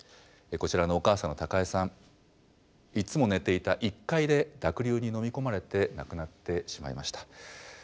こちらのお母さんの孝恵さんいつも寝ていた１階で濁流にのみ込まれて亡くなってしまいました。